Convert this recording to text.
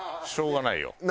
しょうがないよ。